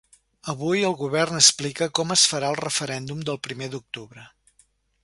Avui el govern explica com es farà el referèndum del primer d’octubre.